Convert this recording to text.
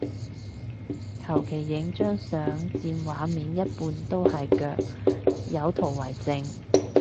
求其影張相佔畫面一半都係腳，有圖為證